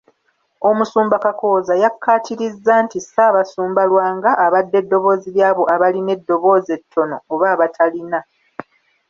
Omusumba Kakooza yakkaatirizza nti, "Ssaabasumba Lwanga abadde ddoboozi ly'abo abalina eddoboozi ettono oba abatalina.”